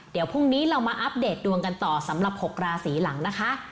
เดี๋ยวพรุ่งนี้เรามาอัปเดตดวงกันต่อสำหรับ๖ราศีหลังนะคะ